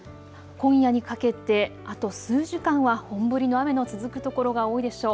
今夜にかけて、あと数時間は本降りの雨の続く所が多いでしょう。